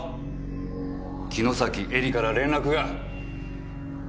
城崎愛梨から連絡が。